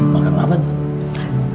makan apa tuh